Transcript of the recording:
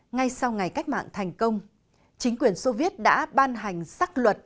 ngay sau ngày cách mạng thành công chính quyền soviet đã ban hành sắc luật